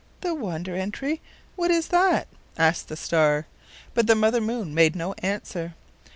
"The Wonder Entry? What is that?" asked the star. But the Mother Moon made no answer.